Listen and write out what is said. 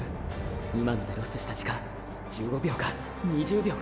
今のでロスした時間１５秒か２０秒か。